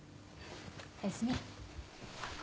おやすみ。